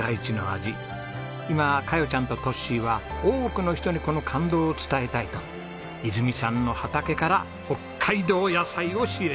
今カヨちゃんとトッシーは多くの人にこの感動を伝えたいといづみさんの畑から北海道野菜を仕入れます。